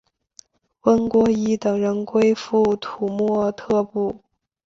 翁郭依等人归附土默特部。